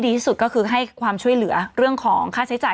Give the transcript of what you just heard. ที่สุดก็คือให้ความช่วยเหลือเรื่องของค่าใช้จ่าย